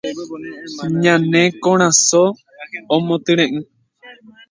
Ñane korasõ omotyre'ỹ